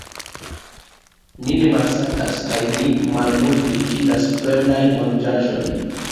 Mi ne malsatas, kaj mi malmulte fidas fremdajn manĝaĵojn.